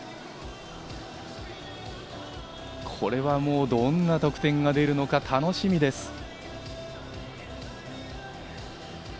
これは、もうどんな得点が出るのか楽しみです。